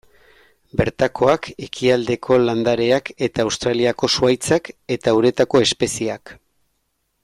Bertakoak, ekialdeko landareak eta Australiako zuhaitzak, eta uretako espezieak.